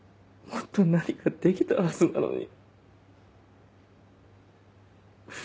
もっと何かできたはずなのに。